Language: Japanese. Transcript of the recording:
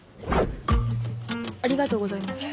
ありがとうございます。